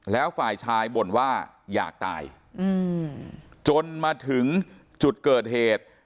แล้วฝ่ายชายบ่นว่าอยากตายจนมาถึงจุดเกิดเหตุ